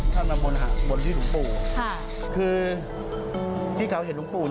ท่านมาบนที่ถุงปู่ค่ะคือที่เขาเห็นถุงปู่